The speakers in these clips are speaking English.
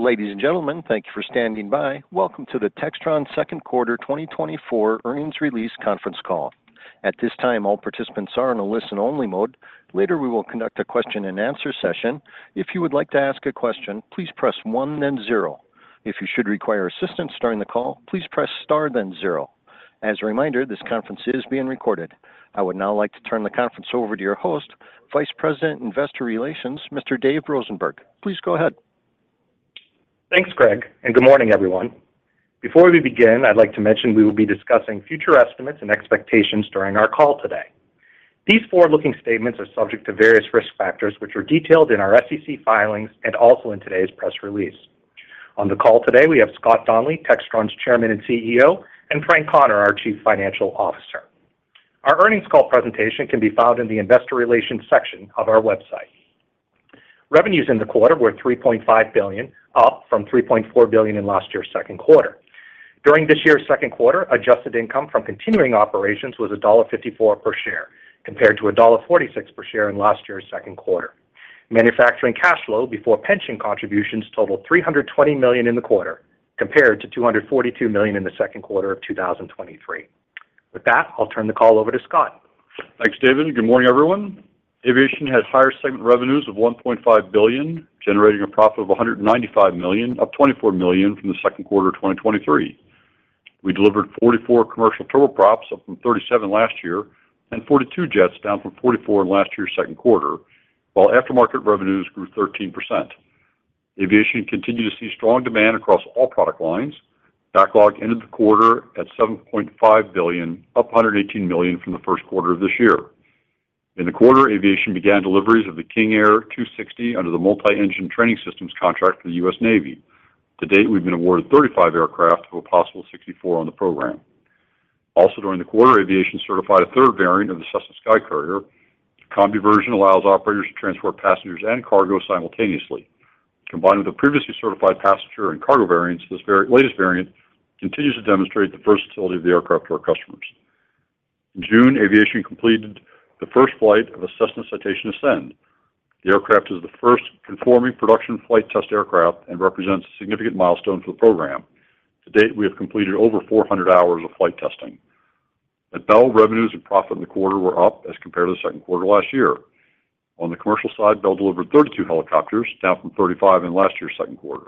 Ladies and gentlemen, thank you for standing by. Welcome to the Textron 2Q 2024 Earnings Release Conference Call. At this time, all participants are in a listen-only mode. Later, we will conduct a question-and-answer session. If you would like to ask a question, please press one, then zero. If you should require assistance during the call, please press star, then zero. As a reminder, this conference is being recorded. I would now like to turn the conference over to your host, Vice President, Investor Relations, Mr. Dave Rosenberg. Please go ahead. Thanks, Greg, and good morning, everyone. Before we begin, I'd like to mention we will be discussing future estimates and expectations during our call today. These forward-looking statements are subject to various risk factors, which are detailed in our SEC filings and also in today's press release. On the call today, we have Scott Donnelly, Textron's Chairman and CEO, and Frank Connor, our Chief Financial Officer. Our earnings call presentation can be found in the Investor Relations section of our website. Revenues in the quarter were $3.5 billion, up from $3.4 billion in last year's 2Q. During this year's 2Q, adjusted income from continuing operations was $1.54 per share, compared to $1.46 per share in last year's 2Q. Manufacturing cash flow before pension contributions totaled $320 million in the quarter, compared to $242 million in the 2Q of 2023. With that, I'll turn the call over to Scott. Thanks, David. Good morning, everyone. Aviation had higher segment revenues of $1.5 billion, generating a profit of $195 million, up $24 million from the 2Q of 2023. We delivered 44 commercial turboprops, up from 37 last year, and 42 jets, down from 44 in last year's 2Q, while aftermarket revenues grew 13%. Aviation continued to see strong demand across all product lines. Backlog ended the quarter at $7.5 billion, up $118 million from the 1Q of this year. In the quarter, Aviation began deliveries of the King Air 260 under the Multi-Engine Training Systems contract for the US Navy. To date, we've been awarded 35 aircraft of a possible 64 on the program. Also, during the quarter, Aviation certified a third variant of the Cessna SkyCourier. The Combi version allows operators to transport passengers and cargo simultaneously. Combined with the previously certified passenger and cargo variants, this latest variant continues to demonstrate the versatility of the aircraft to our customers. In June, Aviation completed the first flight of a Cessna Citation Ascend. The aircraft is the first conforming production flight test aircraft and represents a significant milestone for the program. To date, we have completed over 400 hours of flight testing. At Bell, revenues and profit in the quarter were up as compared to the 2Q last year. On the commercial side, Bell delivered 32 helicopters, down from 35 in last year's 2Q.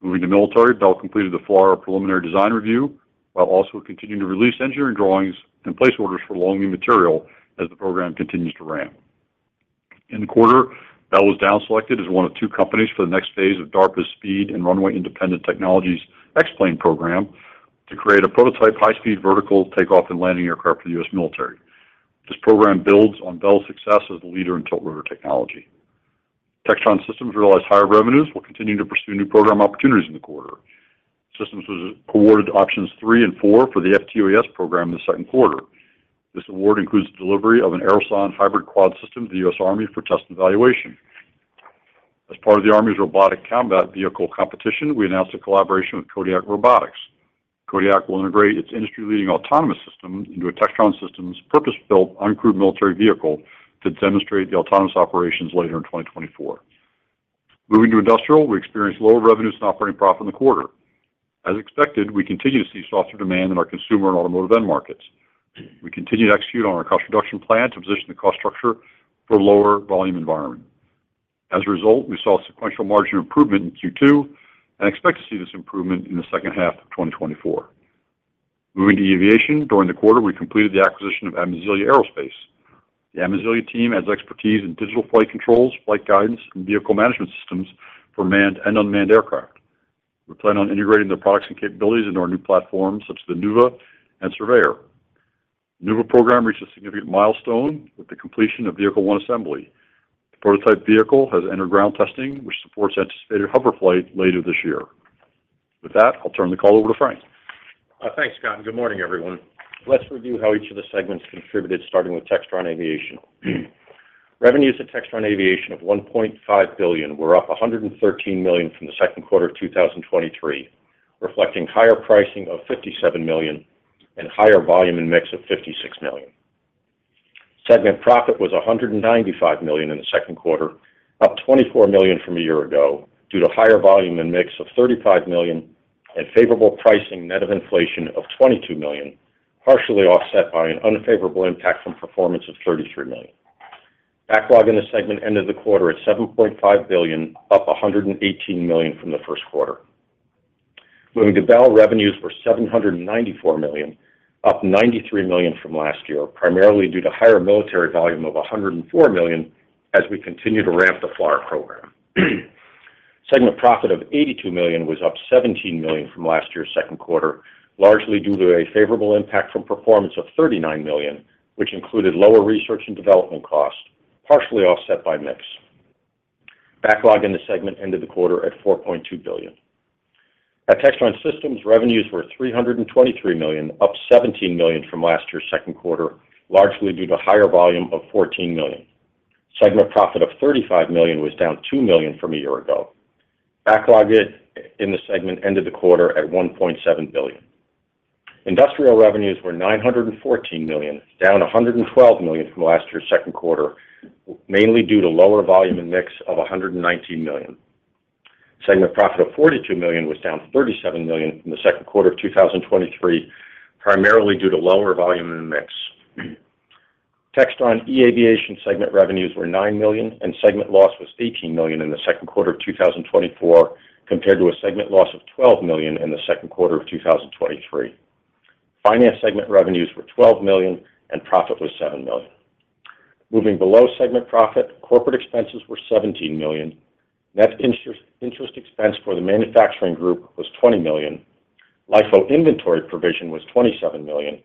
Moving to military, Bell completed the FLRAA Preliminary Design Review, while also continuing to release engineering drawings and place orders for long-lead material as the program continues to ramp. In the quarter, Bell was downselected as one of two companies for the next phase of DARPA's Speed and Runway-Independent Technologies X-plane program to create a prototype high-speed vertical takeoff and landing aircraft for the U.S. military. This program builds on Bell's success as the leader in tiltrotor technology. Textron Systems realized higher revenues while continuing to pursue new program opportunities in the quarter. Systems was awarded Options three and four for the FTUAS program in the 2Q. This award includes the delivery of an Aerosonde Hybrid Quad system to the U.S. Army for test and evaluation. As part of the Army's Robotic Combat Vehicle competition, we announced a collaboration with Kodiak Robotics. Kodiak will integrate its industry-leading autonomous system into a Textron Systems purpose-built, uncrewed military vehicle to demonstrate the autonomous operations later in 2024. Moving to industrial, we experienced lower revenues and operating profit in the quarter. As expected, we continue to see softer demand in our consumer and automotive end markets. We continue to execute on our cost reduction plan to position the cost structure for a lower volume environment. As a result, we saw sequential margin improvement in Q2 and expect to see this improvement in the second half of 2024. Moving to Aviation, during the quarter, we completed the acquisition of Amazilia Aerospace. The Amazilia team has expertise in digital flight controls, flight guidance, and vehicle management systems for manned and unmanned aircraft. We plan on integrating their products and capabilities into our new platforms, such as the Nuuva and Surveyor. Nuuva program reached a significant milestone with the completion of Vehicle One assembly. The prototype vehicle has entered ground testing, which supports anticipated hover flight later this year. With that, I'll turn the call over to Frank. Thanks, Scott, and good morning, everyone. Let's review how each of the segments contributed, starting with Textron Aviation. Revenues at Textron Aviation of $1.5 billion were up $113 million from the 2Q of 2023, reflecting higher pricing of $57 million and higher volume and mix of $56 million. Segment profit was $195 million in the 2Q, up $24 million from a year ago, due to higher volume and mix of $35 million and favorable pricing net of inflation of $22 million, partially offset by an unfavorable impact from performance of $33 million. Backlog in the segment ended the quarter at $7.5 billion, up $118 million from the 1Q. Moving to Bell, revenues were $794 million, up $93 million from last year, primarily due to higher military volume of $104 million as we continue to ramp the FLRAA program. Segment profit of $82 million was up $17 million from last year's 2Q, largely due to a favorable impact from performance of $39 million, which included lower research and development costs, partially offset by mix. Backlog in the segment ended the quarter at $4.2 billion. At Textron Systems, revenues were $323 million, up $17 million from last year's 2Q, largely due to higher volume of $14 million. Segment profit of $35 million was down $2 million from a year ago. Backlog in the segment ended the quarter at $1.7 billion.... Industrial revenues were $914 million, down $112 million from last year's 2Q, mainly due to lower volume and mix of $119 million. Segment profit of $42 million was down $37 million from the 2Q of 2023, primarily due to lower volume and mix. Textron eAviation segment revenues were $9 million, and segment loss was $18 million in the 2Q of 2024, compared to a segment loss of $12 million in the 2Q of 2023. Finance segment revenues were $12 million, and profit was $7 million. Moving below segment profit, corporate expenses were $17 million. Net interest, interest expense for the manufacturing group was $20 million. LIFO inventory provision was $27 million.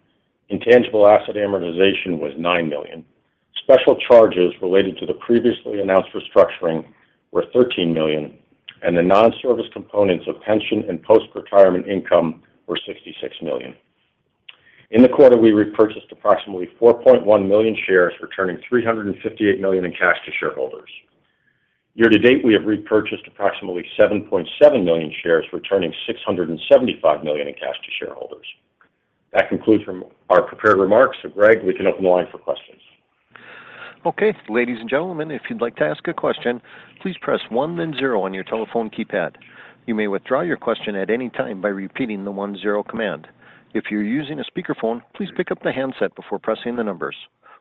Intangible asset amortization was $9 million. Special charges related to the previously announced restructuring were $13 million, and the non-service components of pension and post-retirement income were $66 million. In the quarter, we repurchased approximately 4.1 million shares, returning $358 million in cash to shareholders. Year to date, we have repurchased approximately 7.7 million shares, returning $675 million in cash to shareholders. That concludes from our prepared remarks. So Greg, we can open the line for questions. Okay, ladies and gentlemen, if you'd like to ask a question, please press one then zero on your telephone keypad. You may withdraw your question at any time by repeating the one zero command. If you're using a speakerphone, please pick up the handset before pressing the numbers.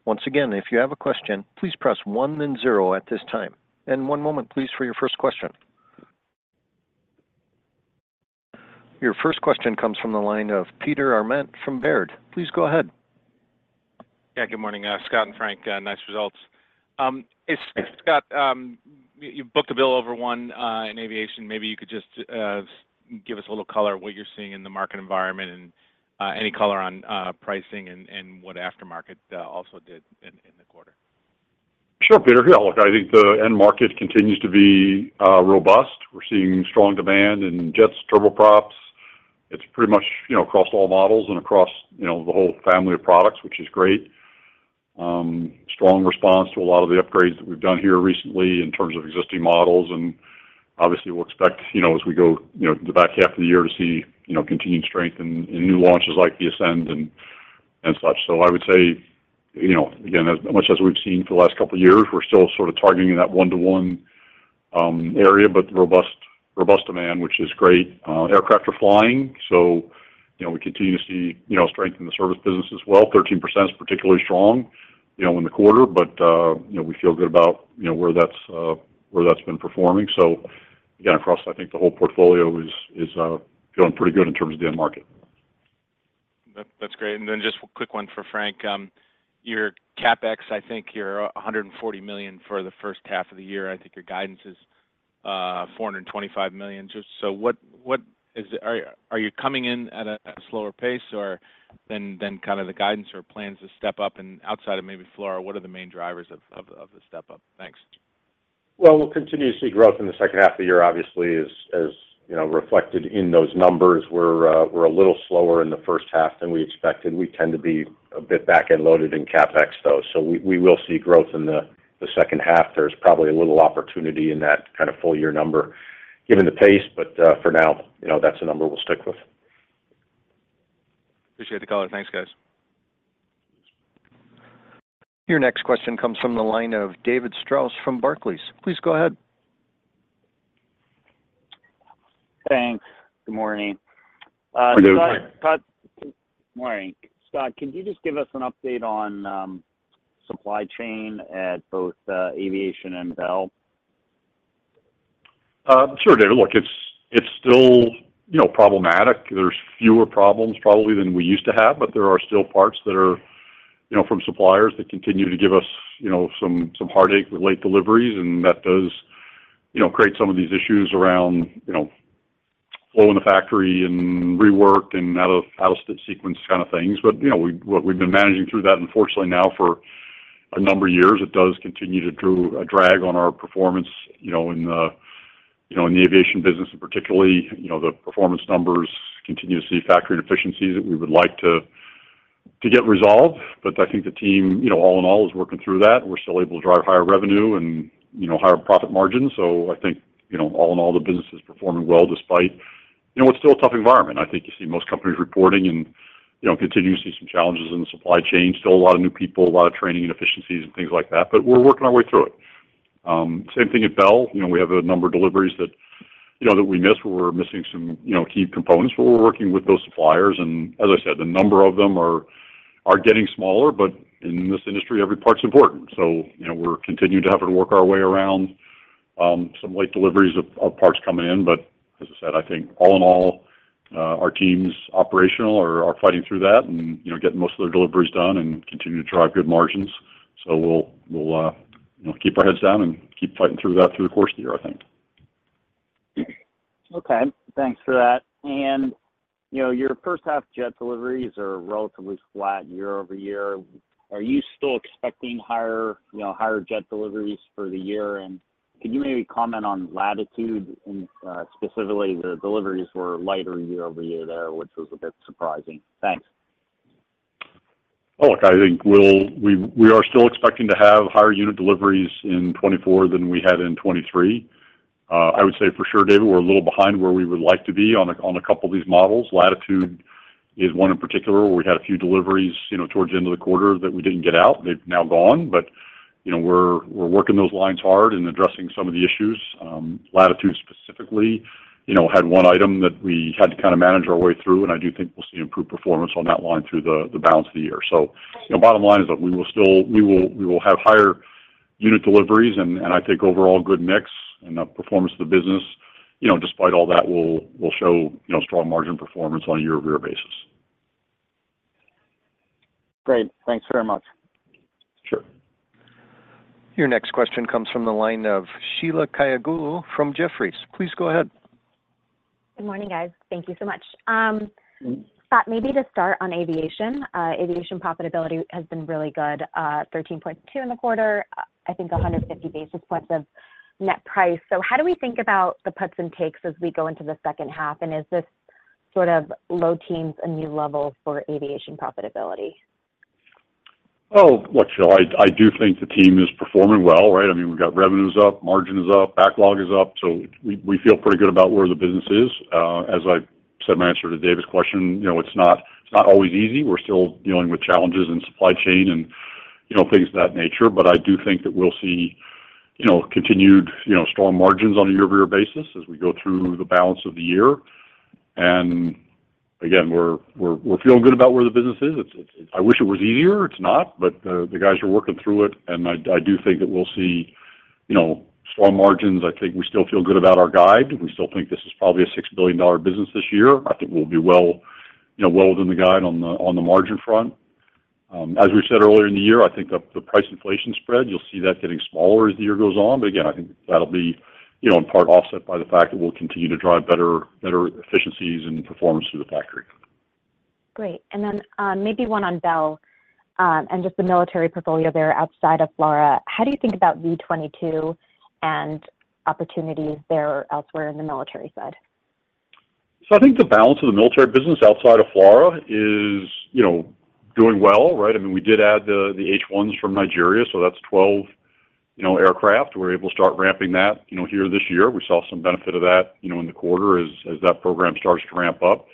Once again, if you have a question, please press one, then zero at this time. And one moment, please, for your first question. Your first question comes from the line of Peter Arment from Baird. Please go ahead. Yeah, good morning, Scott and Frank. Nice results. Scott, you've booked a bill over one in aviation. Maybe you could just give us a little color on what you're seeing in the market environment and any color on pricing and what aftermarket also did in the quarter. Sure, Peter. Yeah, look, I think the end market continues to be robust. We're seeing strong demand in jets, turboprops. It's pretty much, you know, across all models and across, you know, the whole family of products, which is great. Strong response to a lot of the upgrades that we've done here recently in terms of existing models, and obviously, we'll expect, you know, as we go, you know, the back half of the year to see, you know, continued strength in new launches like the Ascend and such. So I would say, you know, again, as much as we've seen for the last couple of years, we're still sort of targeting that one-to-one area, but robust, robust demand, which is great. Aircraft are flying, so, you know, we continue to see, you know, strength in the service business as well. 13% is particularly strong, you know, in the quarter, but, you know, we feel good about, you know, where that's, where that's been performing. So again, across I think the whole portfolio is, is, doing pretty good in terms of the end market. That's great. And then just a quick one for Frank. Your CapEx, I think you're $140 million for the first half of the year. I think your guidance is $425 million. Just so, what is the—are you coming in at a slower pace or than kind of the guidance or plans to step up? And outside of maybe FLRAA, what are the main drivers of the step-up? Thanks. Well, we'll continue to see growth in the second half of the year, obviously, as you know, reflected in those numbers. We're, we're a little slower in the first half than we expected. We tend to be a bit back end loaded in CapEx, though, so we will see growth in the second half. There's probably a little opportunity in that kind of full year number, given the pace, but, for now, you know, that's the number we'll stick with. Appreciate the color. Thanks, guys. Your next question comes from the line of David Strauss from Barclays. Please go ahead. Thanks. Good morning. Good morning. Scott, morning. Scott, can you just give us an update on, supply chain at both, Aviation and Bell? Sure, David. Look, it's still, you know, problematic. There's fewer problems probably than we used to have, but there are still parts that are, you know, from suppliers that continue to give us, you know, some heartache with late deliveries, and that does, you know, create some of these issues around, you know, flow in the factory and rework and out of sequence kind of things. But, you know, we've been managing through that, unfortunately, now for a number of years. It does continue to drag on our performance, you know, in the aviation business, particularly. You know, the performance numbers continue to see factory inefficiencies that we would like to get resolved. But I think the team, you know, all in all, is working through that. We're still able to drive higher revenue and, you know, higher profit margins. So I think, you know, all in all, the business is performing well, despite, you know, it's still a tough environment. I think you see most companies reporting and, you know, continue to see some challenges in the supply chain. Still a lot of new people, a lot of training and efficiencies and things like that, but we're working our way through it. Same thing at Bell. You know, we have a number of deliveries that, you know, that we missed. We're missing some, you know, key components, but we're working with those suppliers, and as I said, the number of them are getting smaller, but in this industry, every part's important. So, you know, we're continuing to have to work our way around some late deliveries of parts coming in. As I said, I think all in all, our team's operations are fighting through that and, you know, getting most of their deliveries done and continue to drive good margins. We'll, you know, keep our heads down and keep fighting through that through the course of the year, I think. Okay, thanks for that. And, you know, your first half jet deliveries are relatively flat year-over-year. Are you still expecting higher, you know, higher jet deliveries for the year? And can you maybe comment on Latitude and, specifically, the deliveries were lighter year-over-year there, which was a bit surprising. Thanks. Oh, look, I think we are still expecting to have higher unit deliveries in 2024 than we had in 2023. I would say for sure, David, we're a little behind where we would like to be on a couple of these models. Latitude is one in particular, where we had a few deliveries, you know, towards the end of the quarter that we didn't get out. They've now gone, but, you know, we're working those lines hard and addressing some of the issues. Latitude, specifically, you know, had one item that we had to kind of manage our way through, and I do think we'll see improved performance on that line through the balance of the year. So, you know, bottom line is that we will still have higher unit deliveries, and I think overall good mix, and the performance of the business, you know, despite all that, will show, you know, strong margin performance on a year-over-year basis. Great. Thanks very much. Sure. Your next question comes from the line of Sheila Kahyaoglu from Jefferies. Please go ahead. Good morning, guys. Thank you so much. Thought maybe to start on aviation. Aviation profitability has been really good, 13.2 in the quarter, I think 150 basis points of net price. So how do we think about the puts and takes as we go into the second half, and is this sort of low teens a new level for aviation profitability? Oh, look, Sheila, I do think the team is performing well, right? I mean, we've got revenues up, margin is up, backlog is up, so we feel pretty good about where the business is. As I said in my answer to David's question, you know, it's not always easy. We're still dealing with challenges in supply chain and, you know, things of that nature. But I do think that we'll see, you know, continued, you know, strong margins on a year-over-year basis as we go through the balance of the year. And again, we're feeling good about where the business is. It's... I wish it was easier. It's not, but the guys are working through it, and I do think that we'll see, you know, strong margins. I think we still feel good about our guide. We still think this is probably a $6 billion business this year. I think we'll be well, you know, well within the guide on the, on the margin front. As we said earlier in the year, I think the, the price inflation spread, you'll see that getting smaller as the year goes on. But again, I think that'll be, you know, in part offset by the fact that we'll continue to drive better, better efficiencies and performance through the factory. Great. And then, maybe one on Bell, and just the military portfolio there outside of FLRAA. How do you think about V-22 and opportunities there elsewhere in the military side? So I think the balance of the military business outside of FLRAA is, you know, doing well, right? I mean, we did add the, the H-1s from Nigeria, so that's 12, you know, aircraft. We're able to start ramping that, you know, here this year. We saw some benefit of that, you know, in the quarter as, as that program starts to ramp up.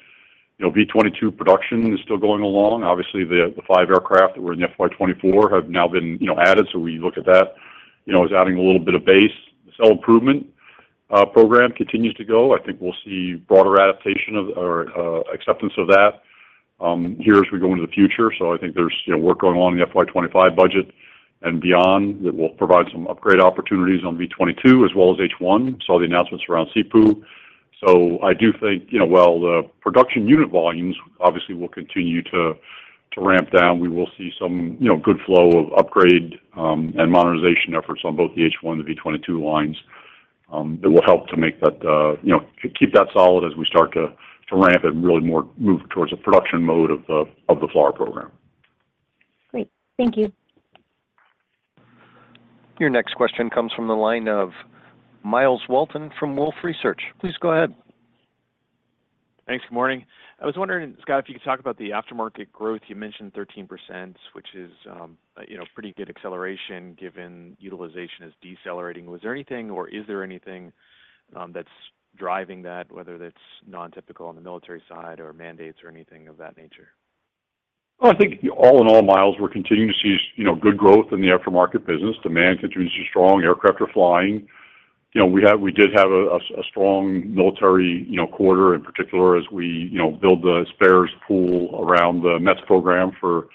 You know, V-22 production is still going along. Obviously, the, the five aircraft that were in the FY 2024 have now been, you know, added, so we look at that, you know, as adding a little bit of base. The SIEPU program continues to go. I think we'll see broader adaptation of acceptance of that here as we go into the future. So I think there's, you know, work going on in the FY 25 budget and beyond, that will provide some upgrade opportunities on V-22 as well as H-1. Saw the announcements around SIEPU. So I do think, you know, while the production unit volumes obviously will continue to ramp down, we will see some, you know, good flow of upgrade and modernization efforts on both the H-1 and the V-22 lines. That will help to make that, you know, keep that solid as we start to ramp and really more move towards a production mode of the FLRAA program. Great. Thank you. Your next question comes from the line of Myles Walton from Wolfe Research. Please go ahead. Thanks. Good morning. I was wondering, Scott, if you could talk about the aftermarket growth. You mentioned 13%, which is, you know, pretty good acceleration given utilization is decelerating. Was there anything or is there anything that's driving that, whether that's non-typical on the military side or mandates or anything of that nature? Well, I think all in all, Myles, we're continuing to see, you know, good growth in the aftermarket business. Demand continues to be strong. Aircraft are flying. You know, we have, we did have a strong military, you know, quarter in particular as we, you know, build the spares pool around the METS program for,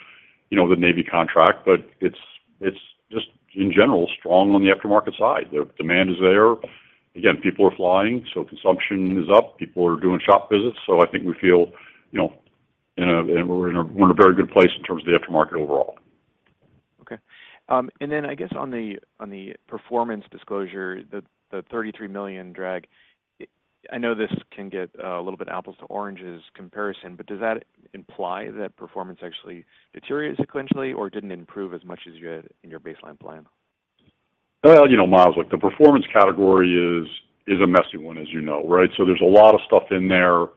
you know, the Navy contract. But it's just in general strong on the aftermarket side. The demand is there. Again, people are flying, so consumption is up. People are doing shop visits, so I think we feel, you know, in a, we're in a very good place in terms of the aftermarket overall. Okay. And then I guess on the performance disclosure, the $33 million drag, I know this can get a little bit apples to oranges comparison, but does that imply that performance actually deteriorated sequentially or didn't improve as much as you had in your baseline plan? Well, you know, Myles, look, the performance category is a messy one, as you know, right? So there's a lot of stuff in there.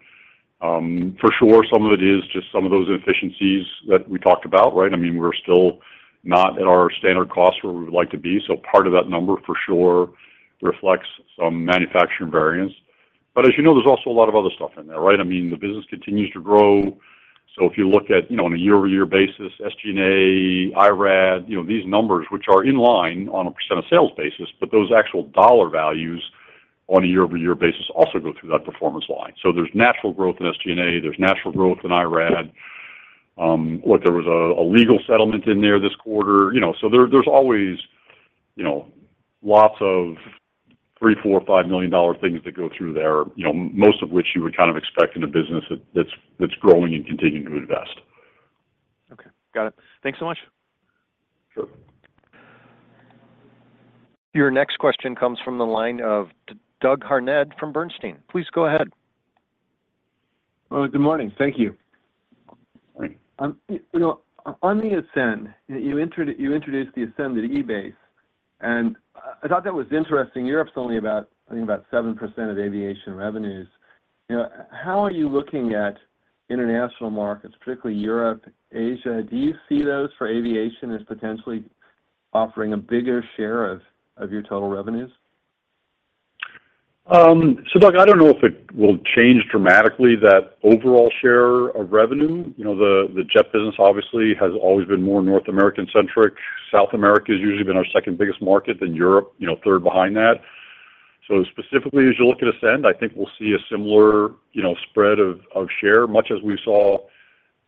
For sure, some of it is just some of those inefficiencies that we talked about, right? I mean, we're still not at our standard cost where we would like to be, so part of that number for sure reflects some manufacturing variance. But as you know, there's also a lot of other stuff in there, right? I mean, the business continues to grow. So if you look at, you know, on a year-over-year basis, SG&A, IRAD, you know, these numbers, which are in line on a % of sales basis, but those actual dollar values on a year-over-year basis also go through that performance line. So there's natural growth in SG&A, there's natural growth in IRAD. Look, there was a legal settlement in there this quarter. You know, so there, there's always, you know, lots of $3 million, $4 million, $5 million things that go through there, you know, most of which you would kind of expect in a business that's growing and continuing to invest. Okay, got it. Thanks so much. Sure. Your next question comes from the line of Doug Harned from Bernstein. Please go ahead. Well, good morning. Thank you. Great. You know, on the Ascend, you introduced the Ascend to the EBACE. And I thought that was interesting. Europe's only about, I think, about 7% of aviation revenues. You know, how are you looking at international markets, particularly Europe, Asia? Do you see those for aviation as potentially offering a bigger share of, of your total revenues? So, Doug, I don't know if it will change dramatically, that overall share of revenue. You know, the jet business obviously has always been more North American-centric. South America has usually been our second biggest market, then Europe, you know, third behind that. So specifically, as you look at Ascend, I think we'll see a similar, you know, spread of share, much as we saw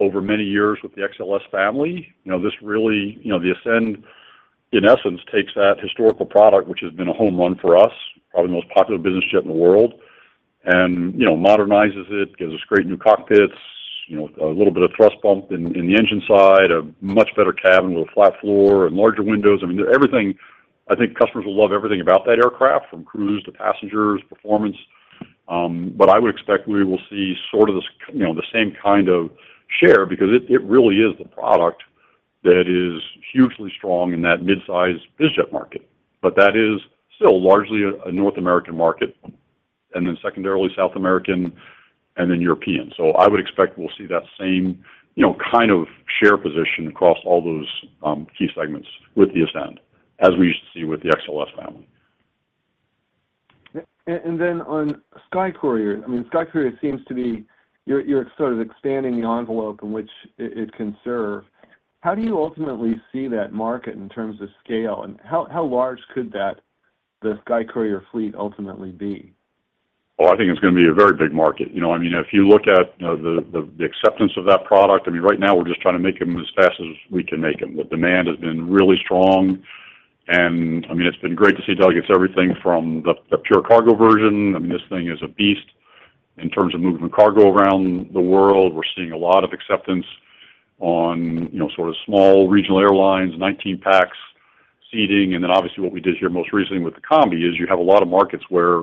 over many years with the XLS family. You know, this really, you know, the Ascend, in essence, takes that historical product, which has been a home run for us, probably the most popular business jet in the world, and, you know, modernizes it, gives us great new cockpits, you know, a little bit of thrust bump in the engine side, a much better cabin with a flat floor and larger windows. I mean, everything. I think customers will love everything about that aircraft, from crews to passengers, performance. But I would expect we will see you know, the same kind of share because it, it really is the product that is hugely strong in that mid-size business jet market. But that is still largely a North American market, and then secondarily, South American, and then European. So I would expect we'll see that same, you know, kind of share position across all those, key segments with the Ascend, as we used to see with the XLS family. And then on Sky Courier, I mean, Sky Courier seems to be... You're sort of expanding the envelope in which it can serve. How do you ultimately see that market in terms of scale, and how large could that, the Sky Courier fleet ultimately be? Oh, I think it's gonna be a very big market. You know, I mean, if you look at, you know, the acceptance of that product, I mean, right now we're just trying to make them as fast as we can make them. The demand has been really strong, and, I mean, it's been great to see, Doug, it's everything from the pure cargo version. I mean, this thing is a beast in terms of moving cargo around the world. We're seeing a lot of acceptance on, you know, sort of small regional airlines, 19 PAX seating, and then obviously, what we did here most recently with the Combi, is you have a lot of markets where,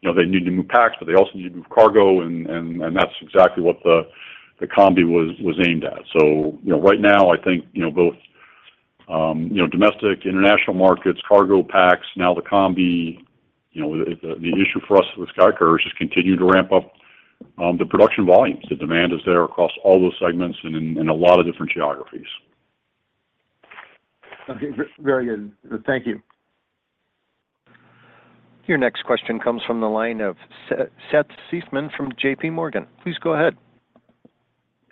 you know, they need to move PAX, but they also need to move cargo, and that's exactly what the Combi was aimed at. So, you know, right now, I think, you know, both, you know, domestic, international markets, cargo, PAX, now the Combi, you know, the issue for us with Sky Courier is just continue to ramp up, the production volumes. The demand is there across all those segments and in a lot of different geographies. Okay, very good. Thank you. Your next question comes from the line of Seth Seifman from JP Morgan. Please go ahead.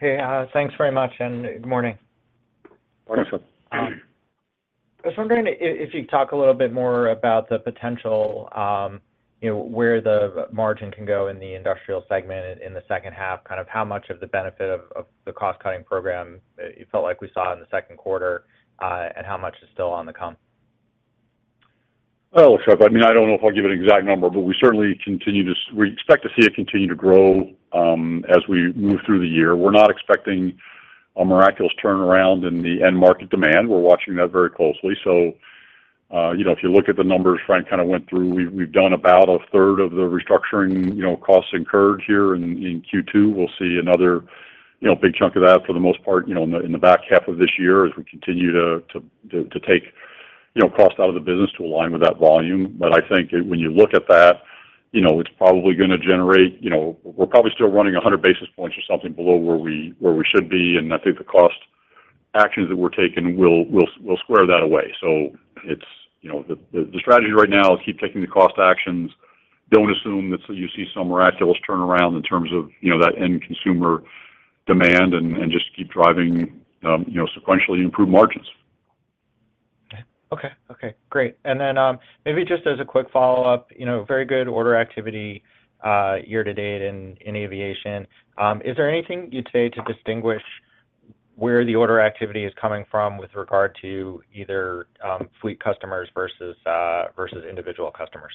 Hey, thanks very much, and good morning. Morning, Seth. I was wondering if you'd talk a little bit more about the potential, you know, where the margin can go in the industrial segment in the second half, kind of how much of the benefit of, of the cost-cutting program, you felt like we saw in the 2Q, and how much is still on the come? Well, Seth, I mean, I don't know if I'll give an exact number, but we certainly continue. We expect to see it continue to grow as we move through the year. We're not expecting a miraculous turnaround in the end market demand. We're watching that very closely. So, you know, if you look at the numbers Frank kind of went through, we've done about a third of the restructuring, you know, costs incurred here in Q2. We'll see another, you know, big chunk of that for the most part, you know, in the back half of this year, as we continue to take, you know, cost out of the business to align with that volume. But I think, when you look at that, you know, it's probably gonna generate, you know... We're probably still running 100 basis points or something below where we should be, and I think the cost actions that we're taking will square that away. So it's, you know, the strategy right now is keep taking the cost actions. Don't assume that you see some miraculous turnaround in terms of, you know, that end consumer demand and just keep driving, you know, sequentially improved margins. Okay. Okay, great. And then, maybe just as a quick follow-up, you know, very good order activity, year to date in, in aviation. Is there anything you'd say to distinguish where the order activity is coming from with regard to either, fleet customers versus, versus individual customers?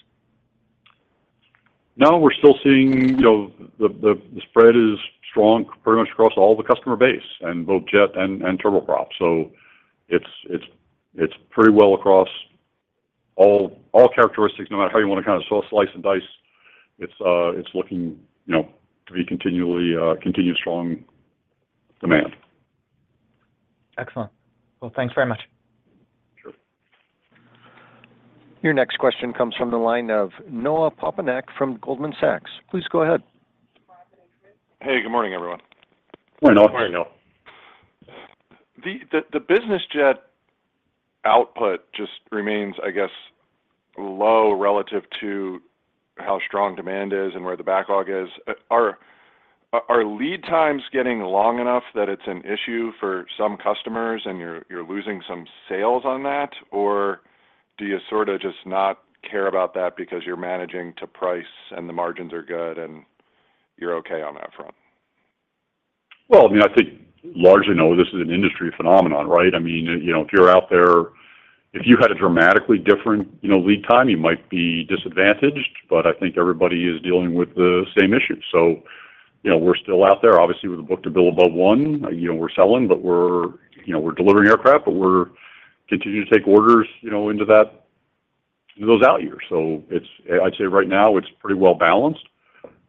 No, we're still seeing, you know, the spread is strong pretty much across all the customer base and both jet and turboprop. So it's pretty well across all characteristics, no matter how you want to kind of slice and dice, it's looking, you know, to be continually continued strong demand. Excellent. Well, thanks very much. Sure. Your next question comes from the line of Noah Poponak from Goldman Sachs. Please go ahead. Hey, good morning, everyone. Good morning, Noah. Morning, Noah. The business jet output just remains, I guess, low relative to how strong demand is and where the backlog is. Are lead times getting long enough that it's an issue for some customers, and you're losing some sales on that? Or do you sorta just not care about that because you're managing to price, and the margins are good, and you're okay on that front? Well, I mean, I think largely, Noah, this is an industry phenomenon, right? I mean, you know, if you're out there, if you had a dramatically different, you know, lead time, you might be disadvantaged, but I think everybody is dealing with the same issue. So, you know, we're still out there. Obviously, with the book-to-bill above one, you know, we're selling, but we're, you know, we're delivering aircraft, but we're continuing to take orders, you know, into those out years. So it's, I'd say right now, it's pretty well balanced,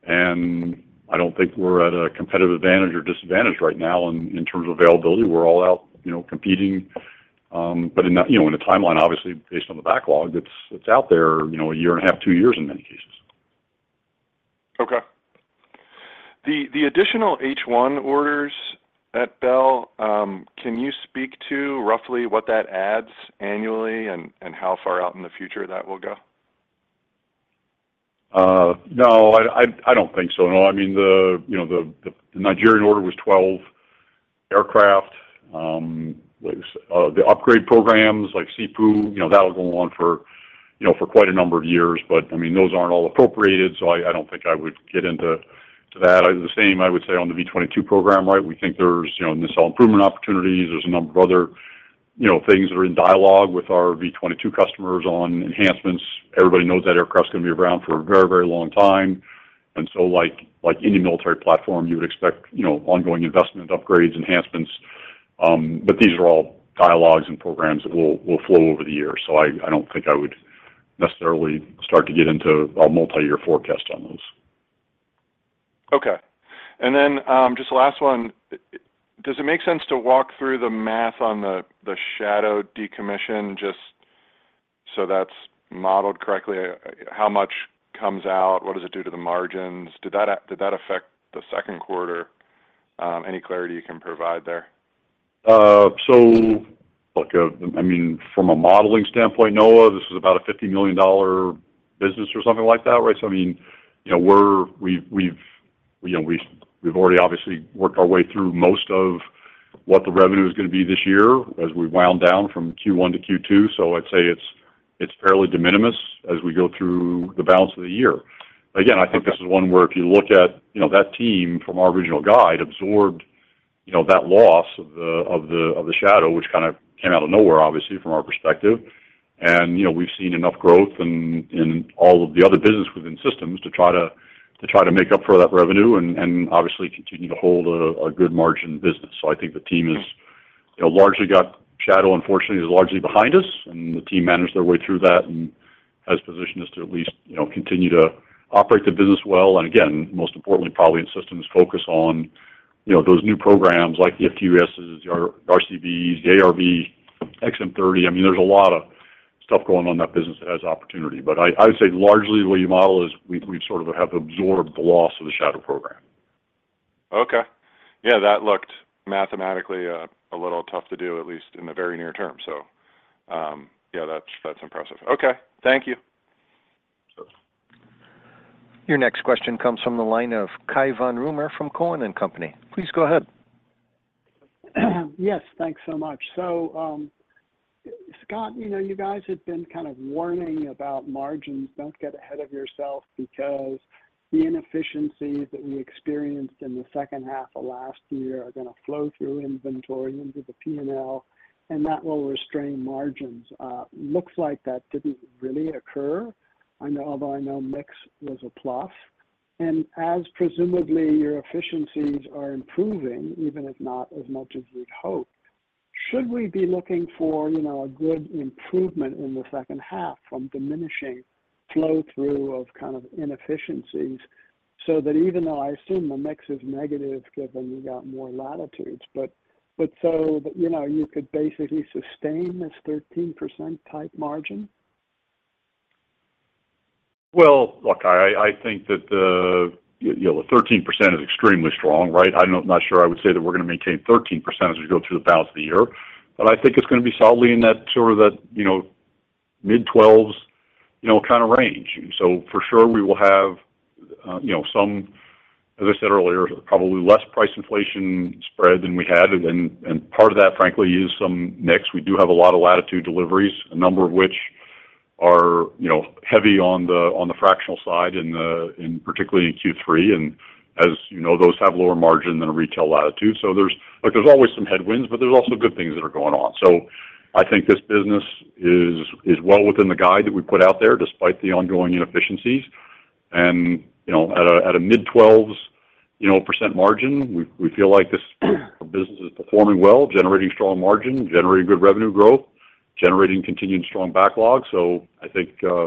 and I don't think we're at a competitive advantage or disadvantage right now in terms of availability. We're all out, you know, competing, but in a, you know, in a timeline, obviously, based on the backlog, it's out there, you know, a year and a half, two years in many cases. Okay. The additional H-1 orders at Bell, can you speak to roughly what that adds annually and how far out in the future that will go? No, I don't think so. No, I mean, the Nigerian order was 12 aircraft. Like, the upgrade programs like SIEPU, you know, that'll go on for, you know, for quite a number of years. But, I mean, those aren't all appropriated, so I don't think I would get into that. The same I would say on the V-22 program, right? We think there's, you know, nacelle improvement opportunities. There's a number of other, you know, things that are in dialogue with our V-22 customers on enhancements. Everybody knows that aircraft's gonna be around for a very, very long time. And so like, like any military platform, you would expect, you know, ongoing investment upgrades, enhancements, but these are all dialogues and programs that will flow over the years. So I don't think I would necessarily start to get into a multiyear forecast on those. Okay. And then, just the last one. Does it make sense to walk through the math on the Shadow decommission, just so that's modeled correctly? How much comes out? What does it do to the margins? Did that affect the 2Q? Any clarity you can provide there? So look, I mean, from a modeling standpoint, Noah, this is about a $50 million business or something like that, right? So I mean, you know, we've already obviously worked our way through most of what the revenue is gonna be this year as we wound down from Q1 to Q2, so I'd say it's fairly deMinimis as we go through the balance of the year. Again, I think this is one where if you look at, you know, that team from our original guide absorbed, you know, that loss of the Shadow, which kind of came out of nowhere, obviously, from our perspective. You know, we've seen enough growth in all of the other businesses within systems to try to make up for that revenue and obviously continue to hold a good margin business. So I think the team has, you know, largely got Shadow, unfortunately, is largely behind us, and the team managed their way through that and has positioned us to at least, you know, continue to operate the business well. And again, most importantly, probably in systems, focus on, you know, those new programs like the FTUAS, the RCVs, the ARV, XM30. I mean, there's a lot of stuff going on in that business that has opportunity. But I would say largely, the way you model is we've sort of have absorbed the loss of the Shadow program. Okay. Yeah, that looked mathematically a little tough to do, at least in the very near term. So, yeah, that's, that's impressive. Okay. Thank you. Your next question comes from the line of Cai von Rumohr from Cowen and Company. Please go ahead. Yes, thanks so much. So, Scott, you know, you guys have been kind of warning about margins. Don't get ahead of yourself because the inefficiencies that we experienced in the second half of last year are gonna flow through inventory into the P&L, and that will restrain margins. Looks like that didn't really occur, I know, although I know mix was a plus. And as presumably your efficiencies are improving, even if not as much as we'd hoped, should we be looking for, you know, a good improvement in the second half from diminishing flow-through of kind of inefficiencies, so that even though I assume the mix is negative, given you got more Latitudes, but, but so, you know, you could basically sustain this 13% type margin? Well, look, I, I think that the, you know, the 13% is extremely strong, right? I'm not sure I would say that we're gonna maintain 13% as we go through the balance of the year, but I think it's gonna be solidly in that sort of that, you know, mid-12s, you know, kind of range. So for sure, we will have, you know, some, as I said earlier, probably less price inflation spread than we had, and, and part of that, frankly, is some mix. We do have a lot of Latitude deliveries, a number of which are, you know, heavy on the, on the fractional side in the, in particular in Q3, and as you know, those have lower margin than a retail Latitude. So there's... Like, there's always some headwinds, but there's also good things that are going on. So I think this business is well within the guide that we put out there, despite the ongoing inefficiencies. And, you know, at a mid-12% margin, you know, we feel like this business is performing well, generating strong margin, generating good revenue growth, generating continued strong backlog. So I think, you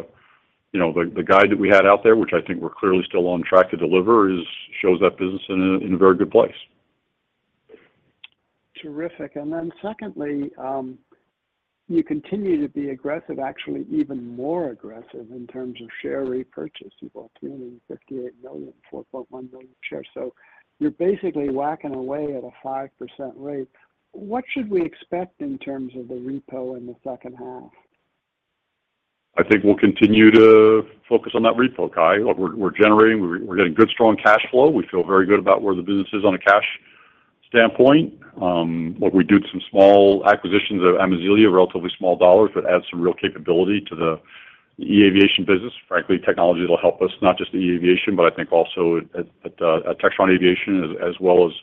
know, the guide that we had out there, which I think we're clearly still on track to deliver, shows that business in a very good place. Terrific. Secondly, you continue to be aggressive, actually, even more aggressive in terms of share repurchase. You bought $258 million, 4.1 million shares, so you're basically whacking away at a 5% rate. What should we expect in terms of the repo in the second half? I think we'll continue to focus on that repo, Cai. Look, we're generating good, strong cash flow. We feel very good about where the business is on a cash standpoint. Look, we did some small acquisitions of Amazilia, relatively small dollars, but adds some real capability to the eAviation business. Frankly, technology will help us, not just the eAviation, but I think also at Textron Aviation, as well as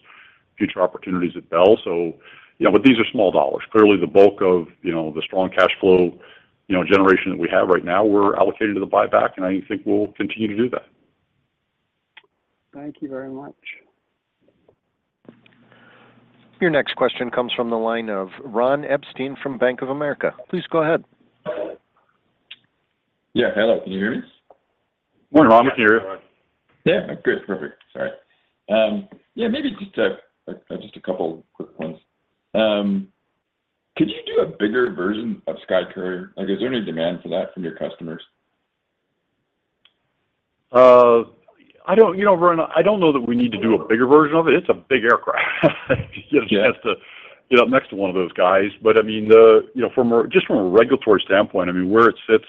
future opportunities at Bell. So, you know, but these are small dollars. Clearly, the bulk of, you know, the strong cash flow, you know, generation that we have right now were allocated to the buyback, and I think we'll continue to do that. Thank you very much.... Your next question comes from the line of Ron Epstein from Bank of America. Please go ahead. Yeah, hello. Can you hear me? Good morning, Ron. We can hear you. Yeah. Good. Perfect. Sorry. Yeah, maybe just a couple quick ones. Could you do a bigger version of SkyCourier? Like, is there any demand for that from your customers? You know, Ron, I don't know that we need to do a bigger version of it. It's a big aircraft. You just have to get up next to one of those guys. But, I mean, you know, just from a regulatory standpoint, I mean, where it sits,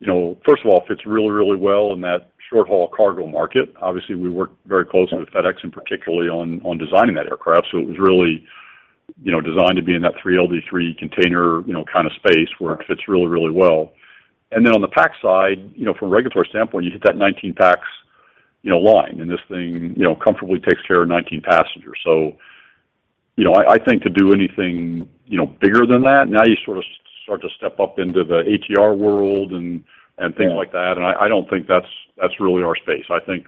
you know, first of all, it fits really, really well in that short-haul cargo market. Obviously, we worked very closely with FedEx, and particularly on designing that aircraft, so it was really, you know, designed to be in that 3 LD3 container, you know, kind of space, where it fits really, really well. And then on the pax side, you know, from a regulatory standpoint, you hit that 19 pax, you know, line, and this thing, you know, comfortably takes care of 19 passengers. So, you know, I think to do anything, you know, bigger than that, now you sort of start to step up into the ATR world and things like that, and I don't think that's really our space. I think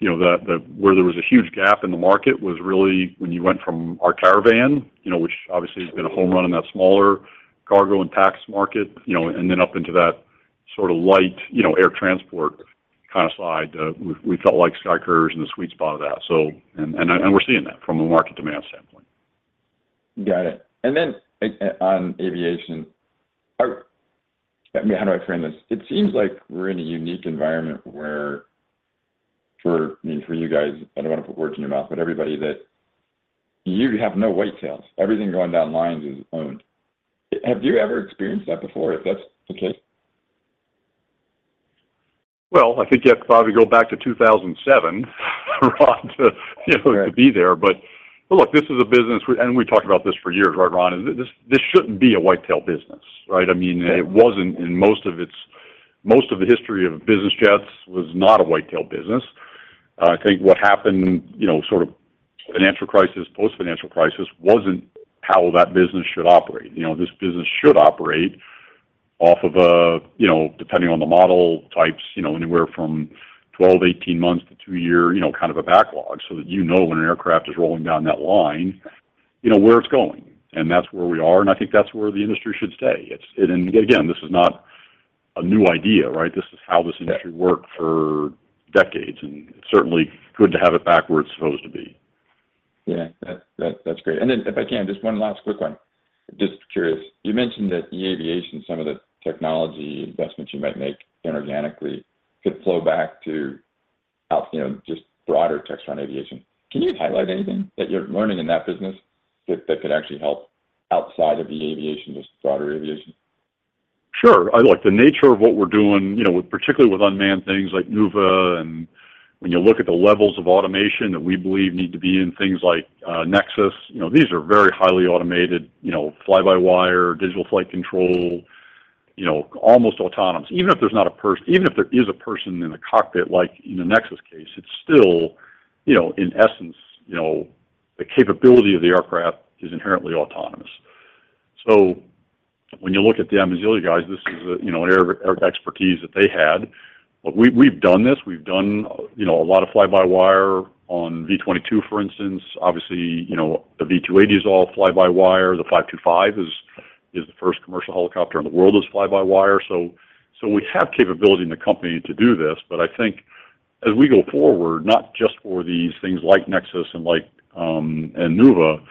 where there was a huge gap in the market was really when you went from our Caravan, you know, which obviously has been a home run in that smaller cargo and packs market, you know, and then up into that sort of light, you know, air transport kind of side. We felt like SkyCourier is in the sweet spot of that, so... And we're seeing that from a market demand standpoint. Got it. And then on aviation, I mean, how do I frame this? It seems like we're in a unique environment where for, I mean, for you guys, I don't want to put words in your mouth, but everybody that you have no white tails. Everything going down lines is owned. Have you ever experienced that before, if that's the case? Well, I think you have to probably go back to 2007, Ron, to, you know, to be there. But, look, this is a business, we and we talked about this for years, right, Ron? This, this shouldn't be a white-tail business, right? I mean, it wasn't in most of its, most of the history of business jets was not a white-tail business. I think what happened, you know, sort of financial crisis, post-financial crisis, wasn't how that business should operate. You know, this business should operate off of a, you know, depending on the model types, you know, anywhere from 12, 18 months to two-year, you know, kind of a backlog, so that you know when an aircraft is rolling down that line, you know, where it's going. And that's where we are, and I think that's where the industry should stay. It's... Again, this is not a new idea, right? This is how this industry worked for decades, and certainly good to have it back where it's supposed to be. Yeah, that's great. And then, if I can, just one last quick one, just curious. You mentioned that eAviation, some of the technology investments you might make inorganically, could flow back out to, you know, just broader Textron Aviation. Can you highlight anything that you're learning in that business that could actually help outside of the aviation, just broader aviation? Sure. Look, the nature of what we're doing, you know, with, particularly with unmanned things like Nuuva, and when you look at the levels of automation that we believe need to be in things like Nexus, you know, these are very highly automated, you know, fly-by-wire, digital flight control, you know, almost autonomous. Even if there's not a—even if there is a person in the cockpit, like in the Nexus case, it's still, you know, in essence, you know, the capability of the aircraft is inherently autonomous. So when you look at the Amazilia guys, this is a, you know, an air, air expertise that they had. But we've done this. We've done, you know, a lot of fly-by-wire on V-22, for instance. Obviously, you know, the V-280 is all fly-by-wire. The 525 is the first commercial helicopter in the world that's fly-by-wire. So we have capability in the company to do this, but I think as we go forward, not just for these things like Nexus and like and Nuuva,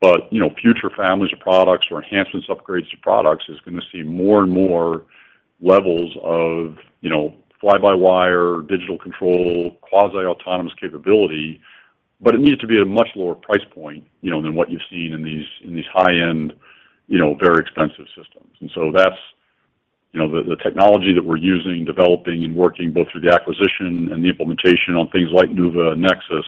but, you know, future families of products or enhancements, upgrades to products, is gonna see more and more levels of, you know, fly-by-wire, digital control, quasi-autonomous capability, but it needs to be at a much lower price point, you know, than what you've seen in these, in these high-end, you know, very expensive systems. And so that's, you know, the technology that we're using, developing, and working both through the acquisition and the implementation on things like Nuuva and Nexus,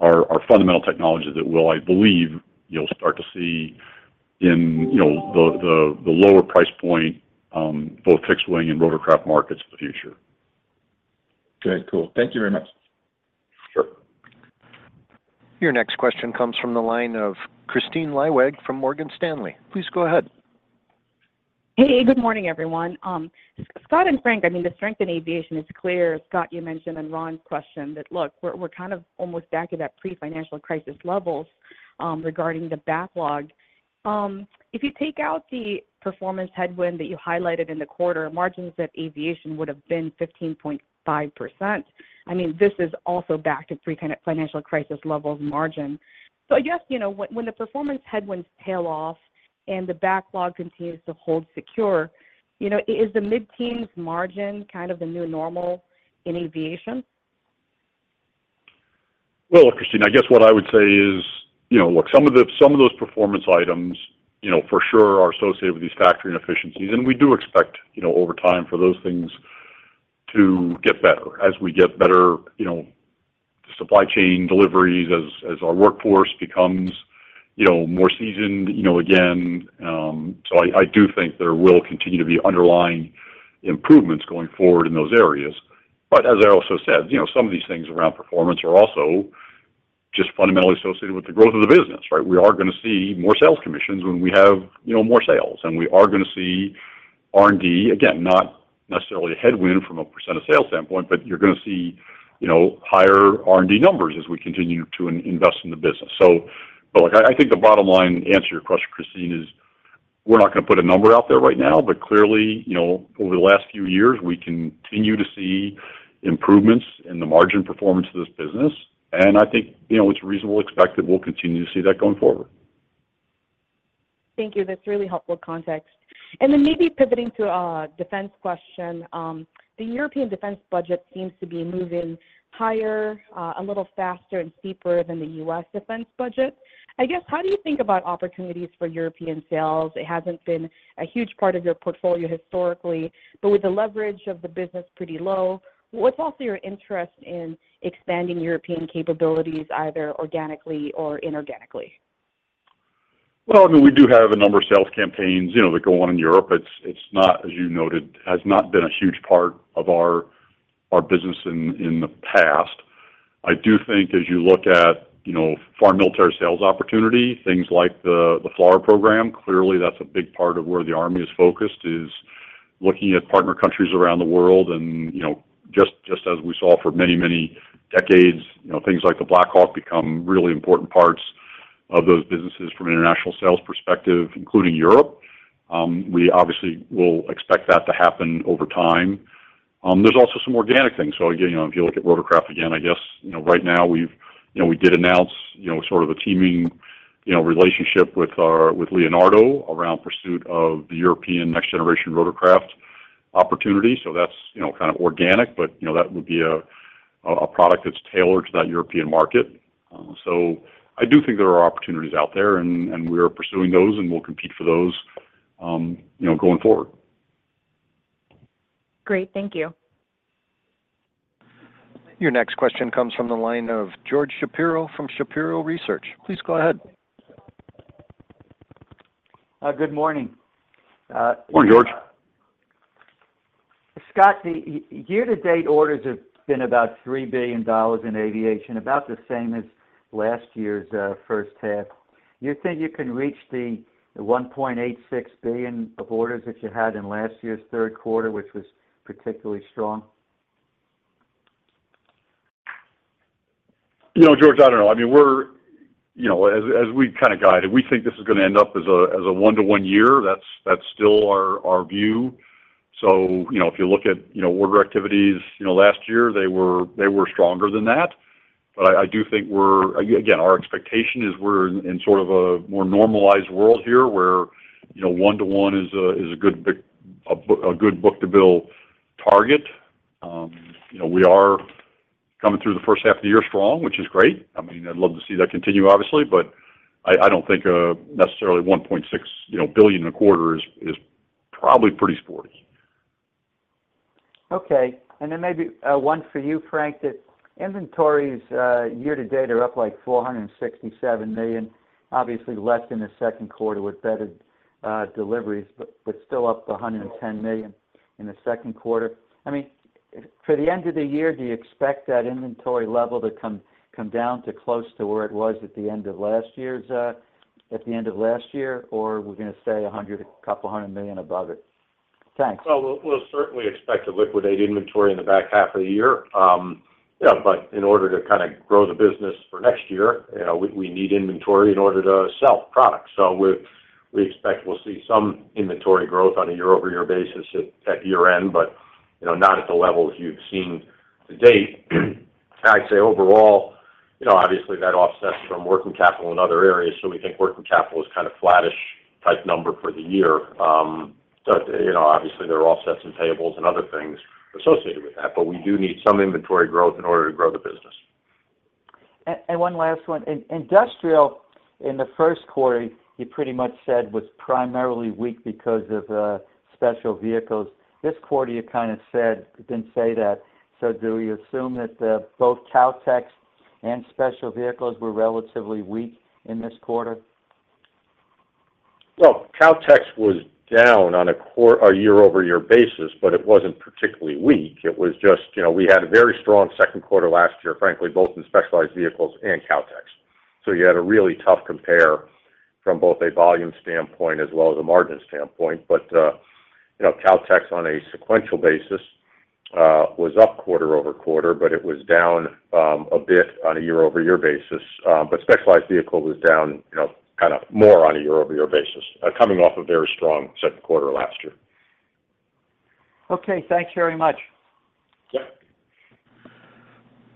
are fundamental technologies that will, I believe, you'll start to see in, you know, the, the lower price point, both fixed-wing and rotorcraft markets of the future. Okay, cool. Thank you very much. Sure. Your next question comes from the line of Kristine Liwag from Morgan Stanley. Please go ahead. Hey, good morning, everyone. Scott and Frank, I mean, the strength in aviation is clear. Scott, you mentioned in Ron's question that, look, we're, we're kind of almost back to that pre-financial crisis levels, regarding the backlog. If you take out the performance headwind that you highlighted in the quarter, margins at aviation would have been 15.5%. I mean, this is also back to pre-kind of financial crisis levels margin. So I guess, you know, when, when the performance headwinds tail off and the backlog continues to hold secure, you know, is the mid-teens margin kind of the new normal in aviation? Well, Christine, I guess what I would say is, you know, look, some of those performance items, you know, for sure are associated with these factory inefficiencies, and we do expect, you know, over time for those things to get better as we get better, you know, supply chain deliveries, as our workforce becomes, you know, more seasoned, you know, again. So I do think there will continue to be underlying improvements going forward in those areas. But as I also said, you know, some of these things around performance are also just fundamentally associated with the growth of the business, right? We are gonna see more sales commissions when we have, you know, more sales, and we are gonna see-... R&D, again, not necessarily a headwind from a percent of sales standpoint, but you're going to see, you know, higher R&D numbers as we continue to invest in the business. So, but like, I, I think the bottom line answer to your question, Kristine, is we're not going to put a number out there right now, but clearly, you know, over the last few years, we continue to see improvements in the margin performance of this business, and I think, you know, it's reasonable to expect that we'll continue to see that going forward. Thank you. That's really helpful context. And then maybe pivoting to a defense question, the European defense budget seems to be moving higher, a little faster and steeper than the U.S. defense budget. I guess, how do you think about opportunities for European sales? It hasn't been a huge part of your portfolio historically, but with the leverage of the business pretty low, what's also your interest in expanding European capabilities, either organically or inorganically? Well, I mean, we do have a number of sales campaigns, you know, that go on in Europe. It's not, as you noted, has not been a huge part of our business in the past. I do think, as you look at, you know, foreign military sales opportunity, things like the FLRAA program, clearly, that's a big part of where the Army is focused, is looking at partner countries around the world. And, you know, just as we saw for many, many decades, you know, things like the Black Hawk become really important parts of those businesses from an international sales perspective, including Europe. We obviously will expect that to happen over time. There's also some organic things. So again, you know, if you look at rotorcraft again, I guess, you know, right now, we've, you know, we did announce, you know, sort of a teaming, you know, relationship with our, with Leonardo around pursuit of the European next generation rotorcraft opportunity. So that's, you know, kind of organic, but, you know, that would be a product that's tailored to that European market. So I do think there are opportunities out there, and we are pursuing those, and we'll compete for those, you know, going forward. Great. Thank you. Your next question comes from the line of George Shapiro from Shapiro Research. Please go ahead. Good morning. Good morning, George. Scott, the year-to-date orders have been about $3 billion in aviation, about the same as last year's first half. Do you think you can reach the $1.86 billion of orders that you had in last year's 3Q, which was particularly strong? You know, George, I don't know. I mean, we're you know, as, as we kind of guided, we think this is going to end up as a, as a one-to-one year. That's, that's still our, our view. So, you know, if you look at, you know, order activities, you know, last year, they were, they were stronger than that. But I, I do think we're again, our expectation is we're in, in sort of a more normalized world here, where, you know, one-to-one is a, is a good book-to-bill target. You know, we are coming through the first half of the year strong, which is great. I mean, I'd love to see that continue, obviously, but I, I don't think necessarily $1.6 billion in a quarter is, is probably pretty sporty. Okay. And then maybe one for you, Frank. The inventories year to date are up, like, $467 million, obviously less in the 2Q with better deliveries, but still up $110 million in the 2Q. I mean, for the end of the year, do you expect that inventory level to come down to close to where it was at the end of last year, or we're going to stay $100, a couple hundred million above it? Thanks. Well, we'll certainly expect to liquidate inventory in the back half of the year. Yeah, but in order to kinda grow the business for next year, you know, we need inventory in order to sell products. So we expect we'll see some inventory growth on a year-over-year basis at year-end, but, you know, not at the levels you've seen to date. I'd say overall, you know, obviously, that offsets from working capital in other areas, so we think working capital is kind of flattish type number for the year. But, you know, obviously, there are offsets and payables and other things associated with that, but we do need some inventory growth in order to grow the business. And, and one last one. In industrial, in the 1Q, you pretty much said was primarily weak because of, Special Vehicles. This quarter, you kind of said, you didn't say that. So do you assume that, both Kautex and special vehicles were relatively weak in this quarter? Well, Kautex was down on a year-over-year basis, but it wasn't particularly weak. It was just, you know, we had a very strong 2Q last year, frankly, both in Specialized Vehicles and Kautex. So you had a really tough compare from both a volume standpoint as well as a margin standpoint. But, you know, Kautex, on a sequential basis, was up quarter-over-quarter, but it was down a bit on a year-over-year basis. But Specialized Vehicle was down, you know, kind of more on a year-over-year basis, coming off a very strong 2Q last year. Okay. Thanks very much. Yeah.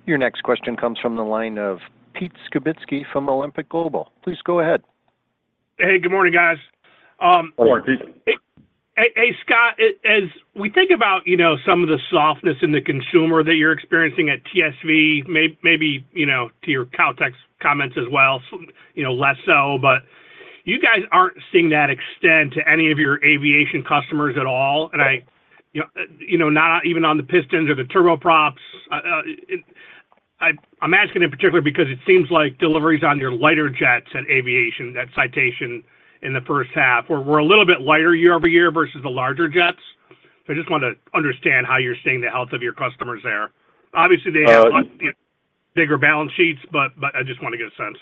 Your next question comes from the line of Pete Skibitski from Alembic Global. Please go ahead. Hey, good morning, guys. Good morning, Pete. Hey, Scott, as we think about, you know, some of the softness in the consumer that you're experiencing at TSV, maybe, you know, to your Kautex comments as well, you know, less so, but you guys aren't seeing that extend to any of your aviation customers at all? And I, you know, not even on the pistons or the turboprops. I'm asking in particular because it seems like deliveries on your lighter jets and aviation, that Citation in the first half were a little bit lighter year-over-year versus the larger jets. So I just want to understand how you're seeing the health of your customers there. Obviously, they have bigger balance sheets, but I just want to get a sense.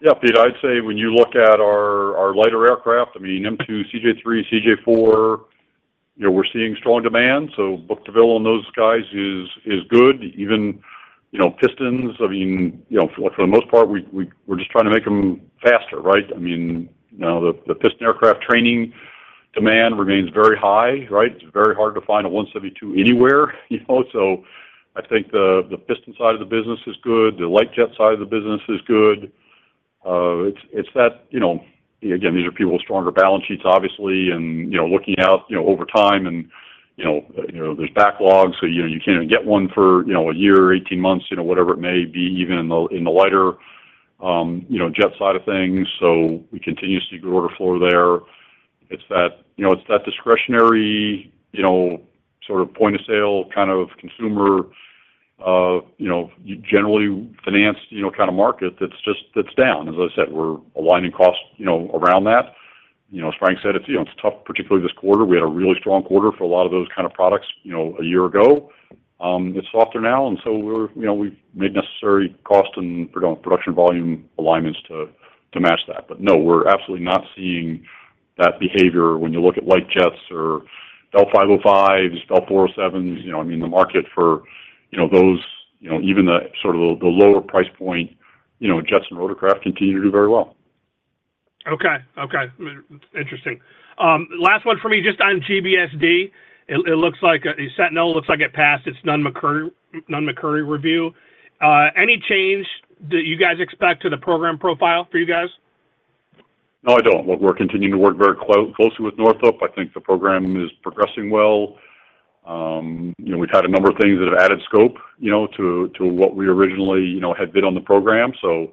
Yeah, Peter, I'd say when you look at our lighter aircraft, I mean, M2, CJ3, CJ4, you know, we're seeing strong demand, so book-to-bill on those guys is good. Even, you know, pistons, I mean, you know, for the most part, we're just trying to make them faster, right? I mean, you know, the piston aircraft training demand remains very high, right? It's very hard to find a 172 anywhere, you know? So I think the piston side of the business is good. The light jet side of the business is good. It's that, you know, again, these are people with stronger balance sheets, obviously, and, you know, looking out, you know, over time and, you know, you know, there's backlogs, so, you know, you can't even get one for, you know, a year or 18 months, you know, whatever it may be, even in the, in the lighter, you know, jet side of things. So we continue to see good order flow there. It's that, you know, it's that discretionary, you know, sort of point-of-sale, kind of consumer, you know, generally financed, you know, kind of market that's just- that's down. As I said, we're aligning costs, you know, around that. You know, as Frank said, it's, you know, it's tough, particularly this quarter. We had a really strong quarter for a lot of those kind of products, you know, a year ago. It's softer now, and so we're, you know, we've made necessary cost and production volume alignments to, to match that. But no, we're absolutely not seeing that behavior when you look at light jets or light 505s, light 407s, you know, I mean, the market for, you know, those, you know, even the sort of the, the lower price point, you know, jets and rotorcraft continue to do very well. Okay. Okay, interesting. Last one for me, just on GBSD. It, it looks like, the Sentinel looks like it passed its Nunn-McCurdy review. Any change that you guys expect to the program profile for you guys? No, I don't. We're continuing to work very closely with Northrop. I think the program is progressing well. You know, we've had a number of things that have added scope, you know, to what we originally, you know, had bid on the program. So,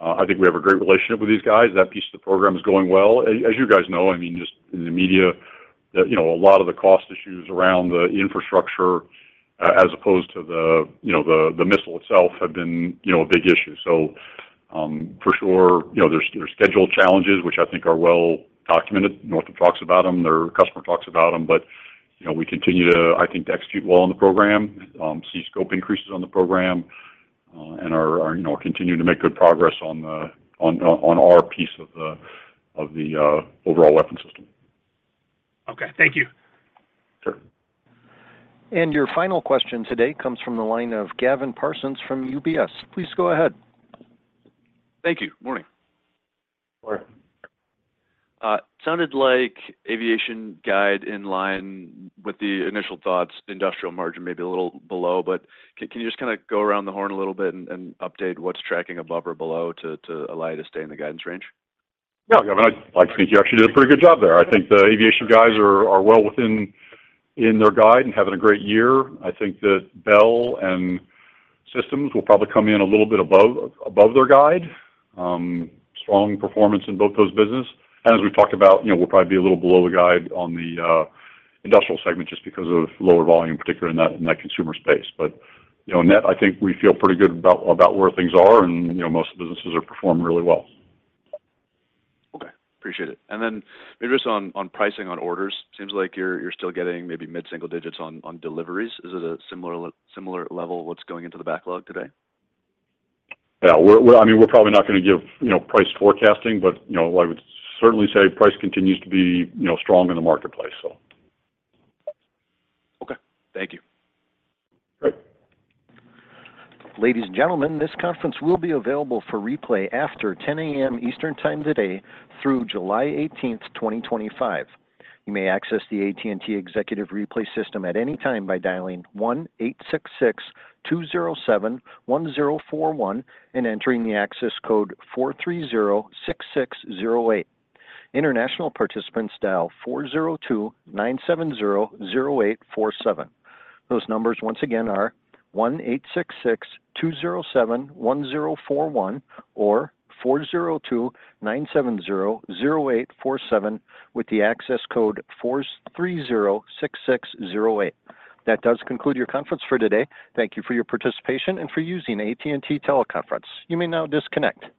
I think we have a great relationship with these guys. That piece of the program is going well. As you guys know, I mean, just in the media, you know, a lot of the cost issues around the infrastructure, as opposed to the, you know, the missile itself have been, you know, a big issue. So, for sure, you know, there's schedule challenges, which I think are well documented. Northrop talks about them, their customer talks about them, but, you know, we continue, I think, to execute well on the program, see scope increases on the program, and are, you know, continuing to make good progress on our piece of the overall weapon system. Okay, thank you. Sure. Your final question today comes from the line of Gavin Parsons from UBS. Please go ahead. Thank you. Morning. Morning. Sounded like aviation guidance in line with the initial thoughts, industrial margin may be a little below, but can you just kinda go around the horn a little bit and, and update what's tracking above or below to, to allow you to stay in the guidance range? Yeah, Gavin, I think you actually did a pretty good job there. I think the aviation guys are well within their guide and having a great year. I think that Bell and Systems will probably come in a little bit above their guide. Strong performance in both those businesses. And as we talked about, you know, we'll probably be a little below the guide on the industrial segment just because of lower volume, particularly in that consumer space. But, you know, net, I think we feel pretty good about where things are and, you know, most businesses are performing really well. Okay, appreciate it. And then maybe just on pricing on orders, seems like you're still getting maybe mid-single digits on deliveries. Is it a similar level what's going into the backlog today? Yeah, I mean, we're probably not gonna give, you know, price forecasting, but, you know, I would certainly say price continues to be, you know, strong in the marketplace, so. Okay. Thank you. Great. Ladies and gentlemen, this conference will be available for replay after 10 A.M. Eastern Time today through July 18, 2025. You may access the AT&T Executive Replay system at any time by dialing 1-866-207-1041 and entering the access code 430-6608. International participants dial 402-970-0847. Those numbers once again are 1-866-207-1041 or 402-970-0847, with the access code 430-6608. That does conclude your conference for today. Thank you for your participation and for using AT&T Teleconference. You may now disconnect.